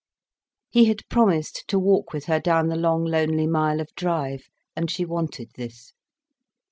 He had promised to walk with her down the long, lonely mile of drive, and she wanted this.